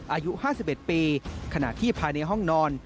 อายุห้าสิบเอ็ดปีขณะที่ภายในห้องนอน